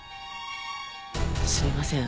すみません。